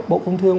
bộ công thương